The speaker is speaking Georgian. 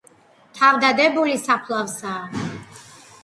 თავდადებული საფლავსა